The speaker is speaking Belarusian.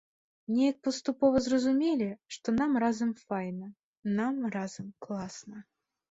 Неяк паступова зразумелі, што нам разам файна, нам разам класна.